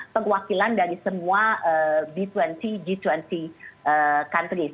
perwakilan dari semua b dua puluh g dua puluh countries